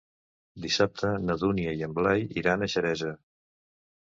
Dissabte na Dúnia i en Blai iran a Xeresa.